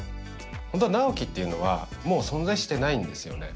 本当は直木っていうのはもう存在してないんですよね